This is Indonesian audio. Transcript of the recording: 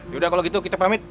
yaudah kalau gitu kita pamit